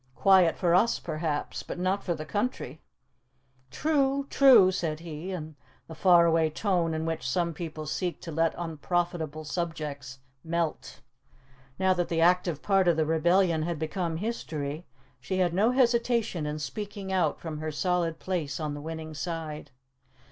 Quiet for us, perhaps, but not for the country." "True, true," said he, in the far away tone in which some people seek to let unprofitable subjects melt. Now that the active part of the rebellion had become history, she had no hesitation in speaking out from her solid place on the winning side.